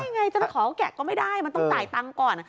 ไงจนขอแกะก็ไม่ได้มันต้องจ่ายตังค์ก่อน